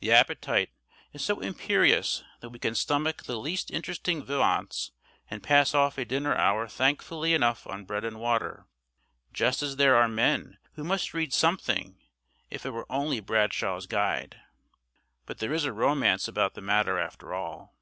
The appetite is so imperious that we can stomach the least interesting viands, and pass off a dinner hour thankfully enough on bread and water; just as there are men who must read something, if it were only Bradshaw's Guide. But there is a romance about the matter after all.